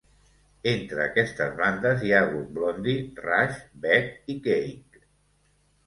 Entre aquestes bandes hi ha hagut Blondie, Rush, Beck i Cake.